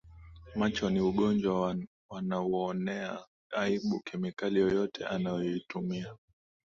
macho ni ugonjwa wanauonea aibuKemikali yoyote anayoitumia